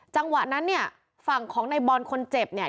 จังหวะนั้นเนี่ยฝั่งของในบอลคนเจ็บเนี่ย